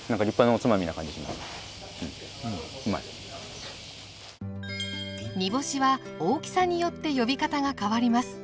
もう煮干しは大きさによって呼び方が変わります。